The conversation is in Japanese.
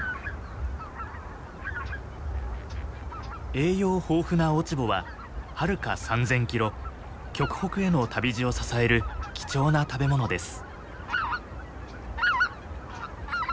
栄養豊富な落ち穂ははるか３千キロ極北への旅路を支える貴重な食べ物です。